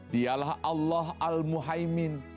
dialah allah al muhajir